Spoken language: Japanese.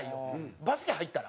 「バスケ入ったら？」